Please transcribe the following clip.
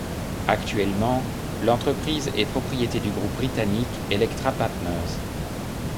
Actuellement, l'entreprise est propriété du groupe britannique Electra Partners.